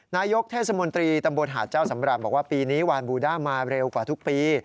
นายกเทศมนตรีตำบลหาดเจ้าสำราญบอกว่าปีนี้วานบูด้ามาเร็วกว่าทุกปี